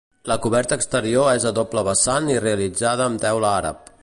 La coberta exterior és a doble vessant i realitzada amb teula àrab.